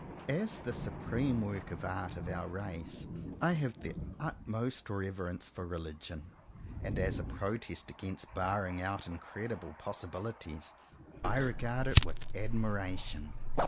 As the supreme work of art of our race, I have the utmost reverence for religion; and as a protest against barring out in credible possibilities, I regard it with ad miration.